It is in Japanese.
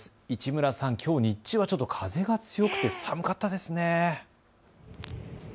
市村さん、きょう日中は風が強くて寒かったですね。